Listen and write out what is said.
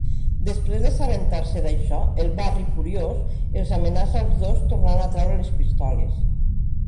Després d'assabentar-se d'això, el Barry, furiós, els amenaça als dos tornant a treure les pistoles.